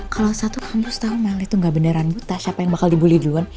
kalau satu kampus tau mel itu gak beneran buta siapa yang bakal dibully duluan